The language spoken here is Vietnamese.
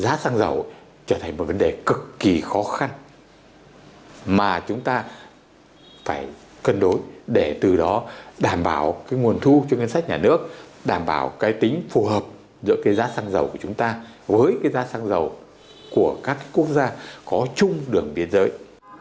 giá xăng dầu trở thành một vấn đề cực kỳ khó khăn mà chúng ta phải cân đối để từ đó đảm bảo cái nguồn thu cho ngân sách nhà nước đảm bảo cái tính phù hợp giữa cái giá xăng dầu của chúng ta với cái giá xăng dầu của các quốc gia có chung đường biên giới